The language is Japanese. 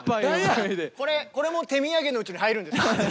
これも手土産のうちに入るんですか？